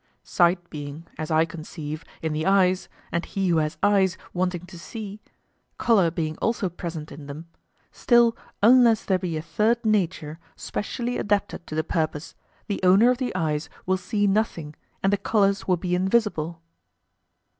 Sight being, as I conceive, in the eyes, and he who has eyes wanting to see; colour being also present in them, still unless there be a third nature specially adapted to the purpose, the owner of the eyes will see nothing and the colours will be invisible.